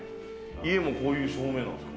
家もこういう照明なんですか？